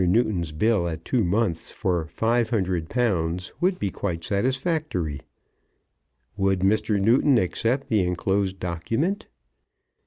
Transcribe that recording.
Newton's bill at two months for £500 would be quite satisfactory. "Would Mr. Newton accept the enclosed document?"